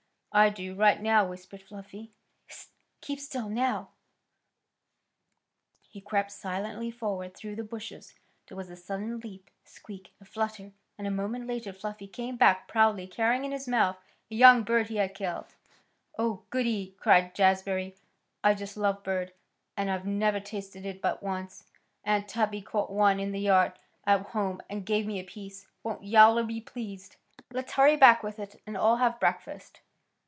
"I do, right now," whispered Fluffy. "Hist! Keep still now." [Illustration: Fluffy dropped the bird and put his paw on it] He crept silently forward through the bushes, there was a sudden leap a squeak a flutter, and a moment later Fluffy came back proudly carrying in his mouth a young bird he had killed. "Oh, goody!" cried Jazbury, "I just love bird, and I've never tasted it but once. Aunt Tabby caught one in the yard at home and gave me a piece. Won't Yowler be pleased? Come on! Let's hurry back with it and all have breakfast."